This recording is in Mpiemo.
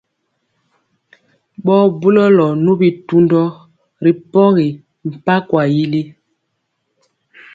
Ɓɔɔ bulɔlɔ nu bitundɔ ri pɔgi mpankwa yili.